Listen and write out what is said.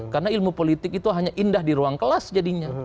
karena ilmu politik itu hanya indah di ruang kelas jadinya